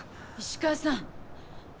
石川さん！